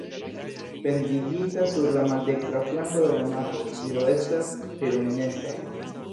Pendigita sur la maldekstra flanko de la navo, ĝi do estas hirundnesta.